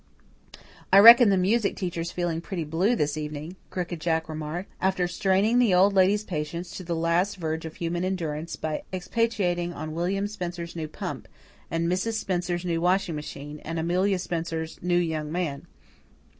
"I reckon the music teacher's feeling pretty blue this evening," Crooked Jack remarked, after straining the Old Lady's patience to the last verge of human endurance by expatiating on William Spencer's new pump, and Mrs. Spencer's new washing machine, and Amelia Spencer's new young man.